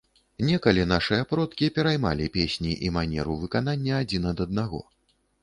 Некалі нашыя продкі пераймалі песні і манеру выканання адзін ад аднаго.